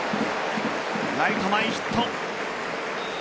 ライト前ヒット。